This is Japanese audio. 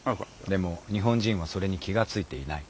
でも日本人はそれに気が付いていない」。